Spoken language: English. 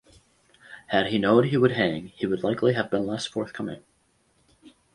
Had he known he would hang he would likely have been less forthcoming.